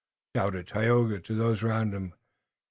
shouted Tayoga to those around him.